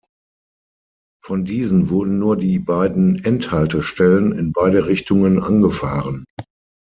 Von diesen wurden nur die beiden Endhaltestellen in beide Richtungen angefahren.